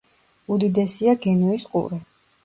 უდიდესია გენუის ყურე.